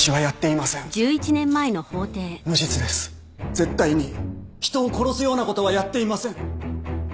絶対に人を殺すようなことはやっていません。